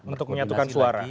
untuk menyatukan suara